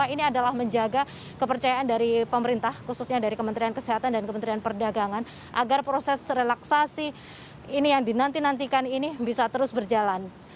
karena ini adalah menjaga kepercayaan dari pemerintah khususnya dari kementerian kesehatan dan kementerian perdagangan agar proses relaksasi ini yang dinantikan ini bisa terus berjalan